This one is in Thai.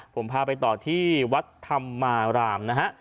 ผมพาไปต่อที่วัดธรรมารามนะฮะ